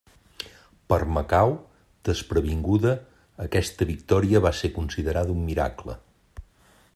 Per a Macau, desprevinguda, aquesta victòria va ser considerada un miracle.